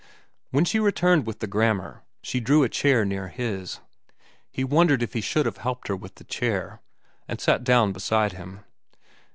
When she returned with the grammar, she drew a chair near his—he wondered if he should have helped her with the chair—and sat down beside him.